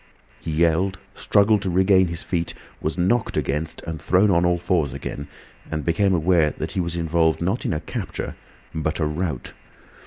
He yelled, struggled to regain his feet, was knocked against and thrown on all fours again, and became aware that he was involved not in a capture, but a rout.